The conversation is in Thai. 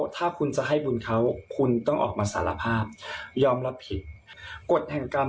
ถ้าคุณจะให้บุญเขาคุณต้องออกมาสารภาพยอมรับผิด